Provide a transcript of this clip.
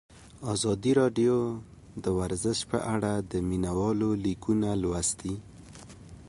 ازادي راډیو د ورزش په اړه د مینه والو لیکونه لوستي.